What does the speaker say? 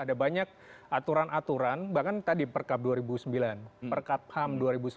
ada banyak aturan aturan bahkan tadi per cap dua ribu sembilan per cap ham dua ribu sembilan